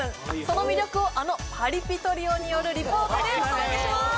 その魅力をあのパリピトリオによるリポートでお届けします